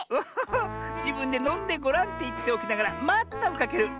じぶんでのんでごらんっていっておきながらまったをかける。